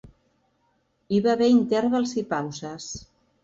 Hi va haver intervals i pauses.